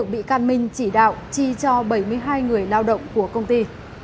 bị can minh chỉ đạo chi cho bảy mươi hai người lao động của công ty